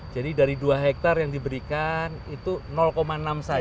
jadi dari dua hektar yang diberikan itu enam saja